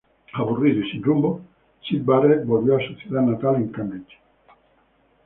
Aburrido y sin rumbo, Syd Barret volvió a su ciudad natal en Cambridge.